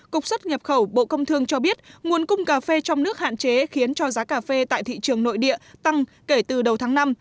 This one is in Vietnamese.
cục xuất nhập khẩu bộ công thương cho biết nguồn cung cà phê trong nước hạn chế khiến cho giá cà phê tại thị trường nội địa tăng kể từ đầu tháng năm